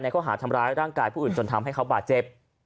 เขาหาทำร้ายร่างกายผู้อื่นจนทำให้เขาบาดเจ็บ